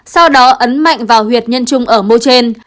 sau đó ấn mạnh vào huyệt nhân trung ở mô trên